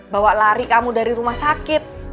bawa lari kamu dari rumah sakit